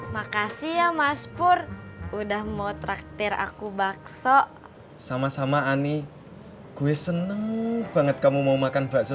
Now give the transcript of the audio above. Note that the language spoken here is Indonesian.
makasih ya mas pur udah mau traktir aku bakso sama sama ani gue seneng banget kamu mau makan bakso